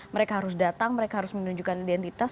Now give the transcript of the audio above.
mereka harus datang mereka harus menunjukkan identitas